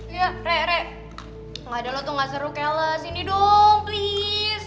iya re re gak ada lo tuh gak seru kelas sini dong please